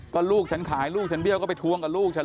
ก็ลูกฉันขายลูกฉันเบี้ยก็ไปทวงกับลูกฉัน